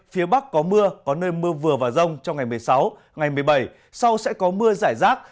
phía bắc có mưa có nơi mưa vừa và rông trong ngày một mươi sáu ngày một mươi bảy sau sẽ có mưa giải rác